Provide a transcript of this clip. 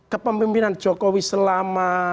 kepemimpinan jokowi selama